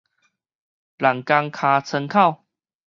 人工尻川口